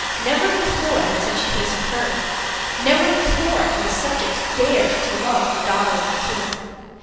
Never before had such a case occurred; never before had a subject dared to love the daughter of the king.